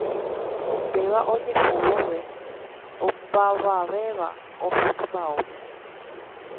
Péva ojehu vove opavavéva oho tupãópe